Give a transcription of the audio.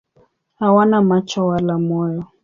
Hawana macho wala moyo.